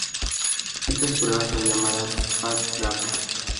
Estas pruebas son llamadas "Fast Track".